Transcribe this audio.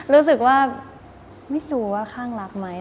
รู้สึกว่าไม่รู้ว่าข้างรักไหม